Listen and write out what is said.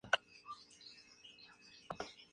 Fue sucedido por su hermano Mohammad Amin al-Husayni.